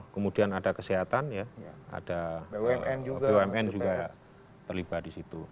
kemudian ada kesehatan ya ada bumn juga terlibat di situ